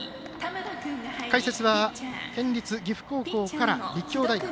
解説は県立岐阜高校から立教大学。